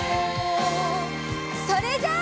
それじゃあ。